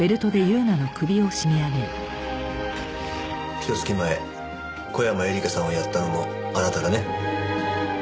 ひと月前小山絵里香さんを殺ったのもあなただね？